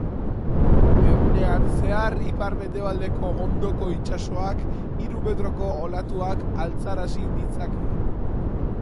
Egunean zehar ipar-mendebaldeko hondoko itsasoak hiru metroko olatuak altxarazi ditzake.